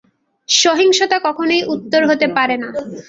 সহিংসতা কখনই উত্তর হতে পারে না।